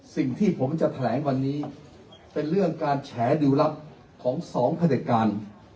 สิ่งที่ผมจะแถลงวันนี้เป็นเรื่องการแฉดิวลับของสองพระเด็จการ